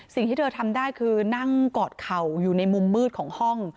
สิ่งที่เธอทำได้คือนั่งกอดเข่าอยู่ในมุมมืดของห้อง